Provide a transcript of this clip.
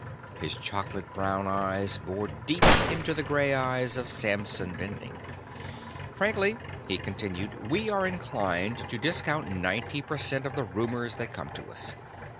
His chocolate brown eyes bored deep into the gray eyes of Samson Bending. "Frankly," he continued, "we are inclined to discount ninety per cent of the rumors that come to us.